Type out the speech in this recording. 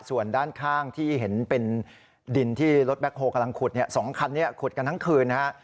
ส่วนด้านข้างที่เห็นเป็นดินที่รถแบ็คโฮลกำลังขุด๒คันนี้ขุดกันทั้งคืนนะฮะ